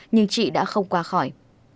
nhưng chị đã không qua khỏi